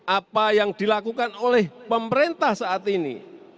apa yang dilakukan oleh pemerintah saat ini